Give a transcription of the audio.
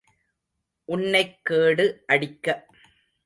உன்னைக் கேடு அடிக்க.